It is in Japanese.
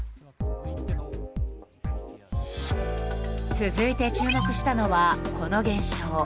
続いて注目したのはこの現象。